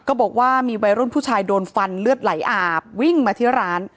บอกว่ามีวัยรุ่นผู้ชายโดนฟันเลือดไหลอาบวิ่งมาที่ร้าน